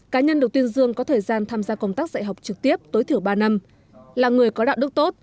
cá nhân được tuyên dương có thời gian tham gia công tác dạy học trực tiếp tối thiểu ba năm là người có đạo đức tốt